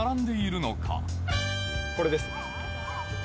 これです。